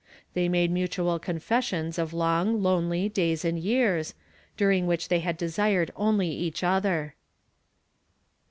They made mutual confessions of long, lonely days and years, during which they had desired only each other.